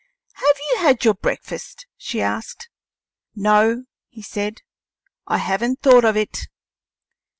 "Have you had your breakfast?" she asked. "No," he said; "I haven't thought of it."